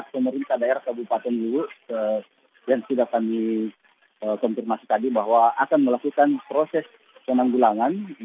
pemerintah daerah kabupaten luwuk yang sudah kami konfirmasi tadi bahwa akan melakukan proses penanggulangan